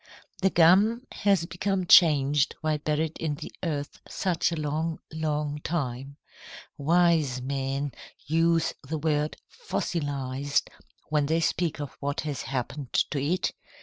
"The gum has become changed while buried in the earth such a long, long time. Wise men use the word 'fossilized' when they speak of what has happened to it.